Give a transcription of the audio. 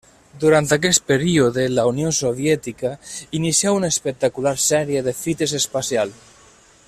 Durant aquest període, la Unió Soviètica inicià una espectacular sèrie de fites espacial.